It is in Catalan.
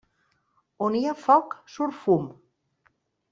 On hi ha foc, surt fum.